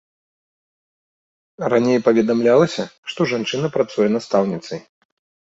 Раней паведамлялася, што жанчына працуе настаўніцай.